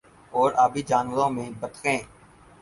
اور آبی جانوروں میں بطخیں